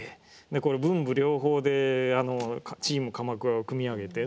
でこれ文武両方でチーム鎌倉を組み上げて。